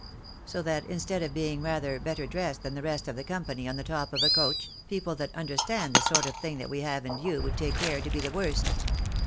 So that instead of being rather better dressed than the rest of the company on the top of a coach, people that understand the sort of thing that we have in view would take care to be the worst.